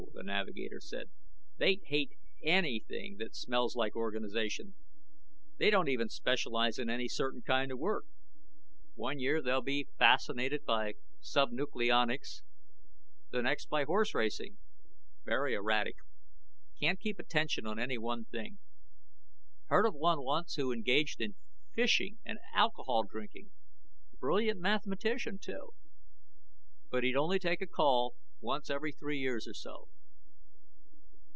the navigator said. "They hate anything that smells like organization. They don't even specialize in any certain kind of work. One year they'll be fascinated by sub nucleonics, the next by horse racing. Very erratic. Can't keep attention on any one thing. Heard of one once who engaged in fishing and alcohol drinking. Brilliant mathematician, too. But he'd only take a call once every three years or so."